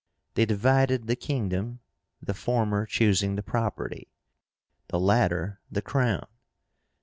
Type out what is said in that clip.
They divided the kingdom, the former choosing the property, the latter the crown.